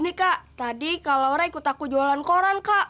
gini kak tadi kak laura ikut aku jualan koran kak